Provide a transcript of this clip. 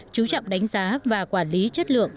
chú trọng đánh giá và quản lý chất lượng